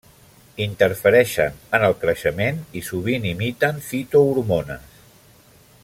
Interfereixen en el creixement i sovint imiten fitohormones.